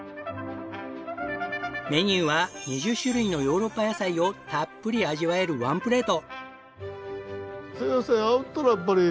メニューは２０種類のヨーロッパ野菜をたっぷり味わえるワンプレート。